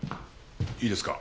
いいですか？